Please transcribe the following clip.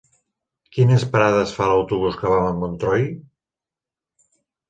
Quines parades fa l'autobús que va a Montroi?